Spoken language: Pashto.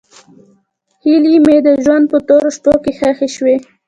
هیلې مې د ژوند په تورو شپو کې ښخې شوې.